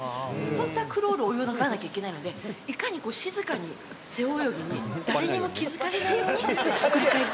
本当はクロール泳がなきゃいけないのでいかに静かに背泳ぎに誰にも気付かれないようにひっくり返るかってところです。